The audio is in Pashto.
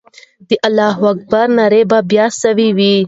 د الله اکبر ناره به بیا سوې وه.